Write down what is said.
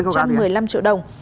một trăm một mươi năm triệu đồng